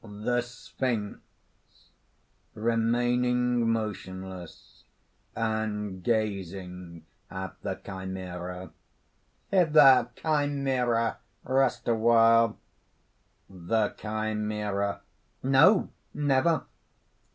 _) THE SPHINX (remaining motionless, and gazing at the Chimera): "Hither, Chimera! rest awhile!" THE CHIMERA. "No! never!"